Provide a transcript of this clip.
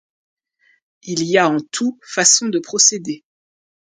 Il y a en tout façons de procéder.